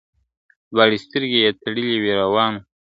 دواړي سترګي یې تړلي وې روان وو !.